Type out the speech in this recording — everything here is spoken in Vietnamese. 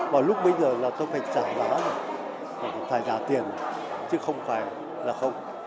và lúc bây giờ là tôi phải trả giá phải trả tiền chứ không phải là không